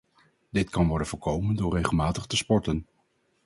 Dit kan worden voorkomen door regelmatig te sporten.